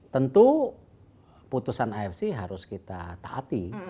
tentu putusan afc harus kita taati